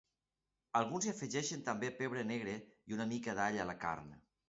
Alguns hi afegeixen també pebre negre i una mica d'all a la carn.